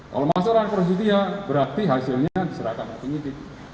kalau masuk ke ranah proses setia berarti hasilnya diserahkan oleh penyidik